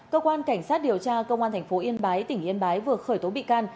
cơ quan cảnh sát điều tra công an tp yên bái tỉnh yên bái vừa khởi tố bị can